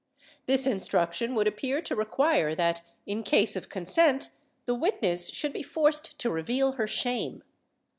This instruction would appear to require that, in case of consent, the witness should be forced to reveal her shame.